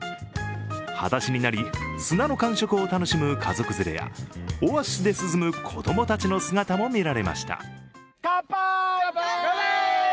裸足になり砂の感触を楽しむ家族連れやオアシスで涼む子供たちの姿も見られました。